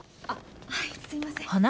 あっはいすいません。